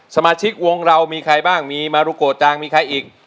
สมาชิกวงเรามีใครบ้างมีมารุโกจางมีใครอีก